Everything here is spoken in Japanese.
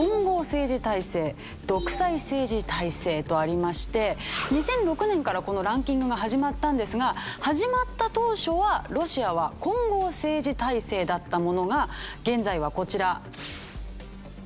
とありまして２００６年からこのランキングが始まったんですが始まった当初はロシアは混合政治体制だったものが現在はこちら。